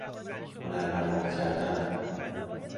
هنرنمایی کردن